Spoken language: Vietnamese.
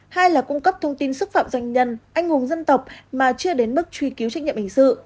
hai là cung cấp thông tin xúc phạm doanh nhân anh hùng dân tộc mà chưa đến mức truy cứu trách nhiệm hình sự